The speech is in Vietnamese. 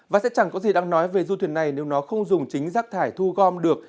và sẽ chẳng có gì đang nói về du thuyền này nếu nó không dùng chính rác thải thu gom được